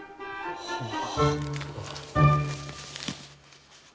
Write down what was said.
はあ。